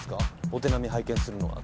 お手並み拝見するのは。